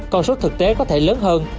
còn số thực tế có thể lớn hơn